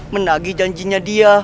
menagi janjinya dia